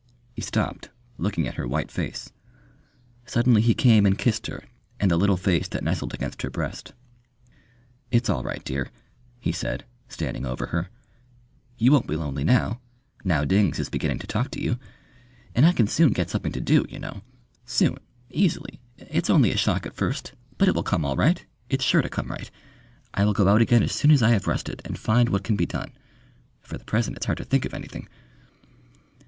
He stopped, looking at her white face. Suddenly he came and kissed her and the little face that nestled against her breast. "It's all right, dear," he said, standing over her; "you won't be lonely now now Dings is beginning to talk to you. And I can soon get something to do, you know. Soon.... Easily.... It's only a shock at first. But it will come all right. It's sure to come right. I will go out again as soon as I have rested, and find what can be done. For the present it's hard to think of anything...."